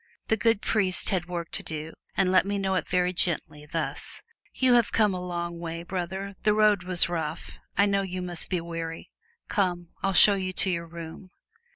The good priest had work to do, and let me know it very gently, thus: "You have come a long way, brother, the road was rough I know you must be weary. Come, I'll show you to your room."